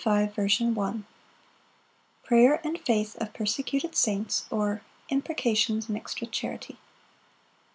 First Part. Prayer and faith of persecuted saints; or, Imprecations mixed with charity.